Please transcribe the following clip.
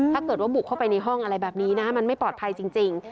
ถ้าเกิดว่าบุกเข้าไปในห้องอะไรแบบนี้นะมันไม่ปลอดภัยจริง